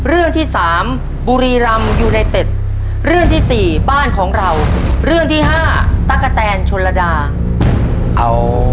เอาบ้านของเรานะ